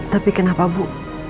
tapi kenapa bu